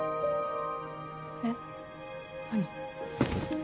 えっ何？